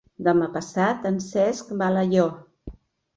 Demà passat en Cesc va a Alaior.